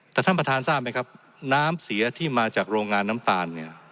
แต่ท่านประธานทราบไหมครับน้ำเสียที่มาจากโรงงานน้ำตาลเนี่ย